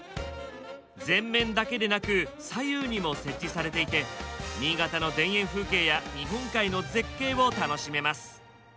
前面だけでなく左右にも設置されていて新潟の田園風景や日本海の絶景を楽しめます。